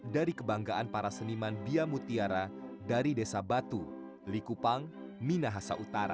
dari kebanggaan para seniman bia mutiara dari desa batu likupang minahasa utara